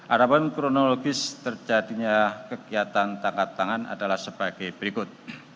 ada pun kronologis terjadinya kegiatan tangkat tangan adalah sebagai berikut